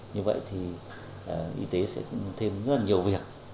như vậy thì y tế sẽ thêm rất là nhiều việc